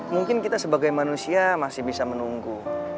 mungkin kita sebagai manusia masih bisa menunggu